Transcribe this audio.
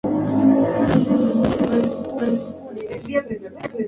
Nacido en Leipzig, Alemania, era hijo de un propietario de imprenta.